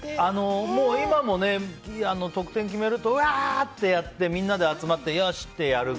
今も得点を決めるとうわー！ってやってみんなで集まって、よし！